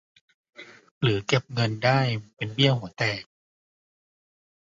หรือเก็บเงินได้เป็นเบี้ยหัวแตก